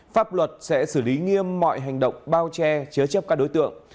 pháp luật sẽ xử lý nghiêm mọi hành động bao che chứa chấp các đối tượng